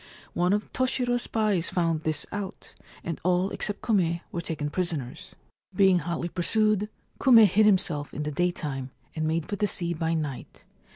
One of Toshiro's spies found this out, and all except Kume were taken prisoners. Being hotly pursued, Kume hid himself in the daytime, and made for the sea by night.